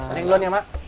saya duluan ya mak